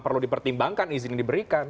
perlu dipertimbangkan izin yang diberikan